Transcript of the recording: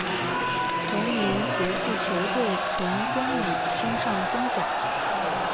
同年协助球队从中乙升上中甲。